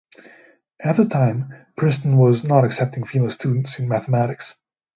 At the time Princeton was not accepting female students in mathematics.